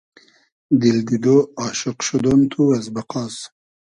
دیل دیدۉ ، آشوق شودۉن تو از بئقاس